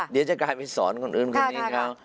เดี๋ยวจะกลายไปสอนคนอื่นคนนี้เขา